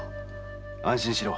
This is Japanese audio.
安心しろ。